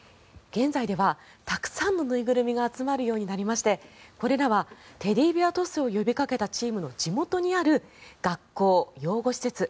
現在ではたくさんの縫いぐるみが集まるようになりましてこれらはテディベア・トスを呼びかけたチームの地元にある学校、養護施設